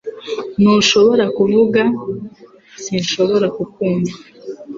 Ntushobora kuvuga? Sinshobora kukumva